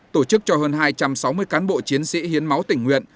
tổ chức cho hơn hai trăm sáu mươi cán bộ chiến sĩ hiến máu tỉnh nguyện